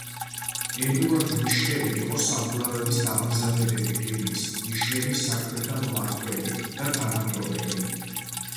ედუარდ მიშლენი იყო საბურავების დამამზადებელი ფირმის „მიშლენის“ საქმეთა მმართველი და თანამფლობელი.